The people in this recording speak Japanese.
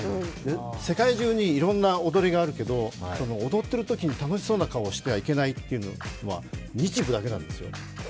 世界中にいろんな踊りがあるけど踊ってるときに楽しそうな顔をしてはいけないというのは日舞だけなんですよ。